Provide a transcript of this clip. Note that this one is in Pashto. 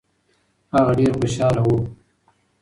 هغه ډېر خوشاله و.